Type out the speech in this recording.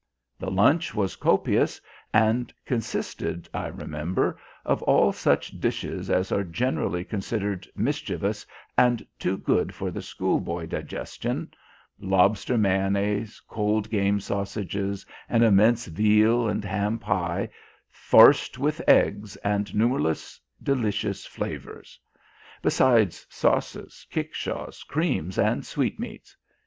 The lunch was copious, and consisted, I remember, of all such dishes as are generally considered mischievous and too good for the schoolboy digestion lobster mayonnaise, cold game sausages, an immense veal and ham pie farced with eggs and numberless delicious flavours; besides sauces, kickshaws, creams, and sweetmeats.